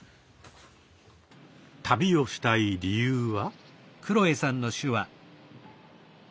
旅をしたい理由は？